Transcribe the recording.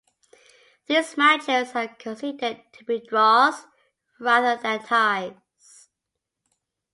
These matches are considered to be draws, rather than ties.